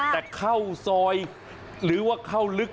แต่เข้าซอยหรือว่าเข้าลึก